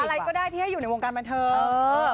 อะไรก็ได้ที่ให้อยู่ในวงการบันเทิง